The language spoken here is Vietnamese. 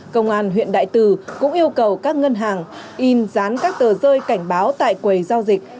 công an huyện đại từ cũng yêu cầu các ngân hàng in dán các tờ rơi cảnh báo tại quầy giao dịch